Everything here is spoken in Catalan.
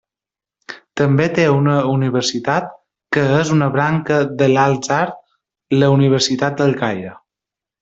També té una universitat que és una branca de la d'Al-Azhar, la Universitat del Caire.